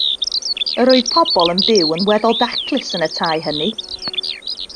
Yr oedd pobl yn byw yn weddol daclus yn y tai hynny.